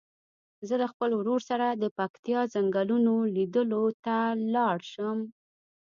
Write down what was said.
زه له خپل ورور سره د پکتیا څنګلونو لیدلو ته لاړ شم.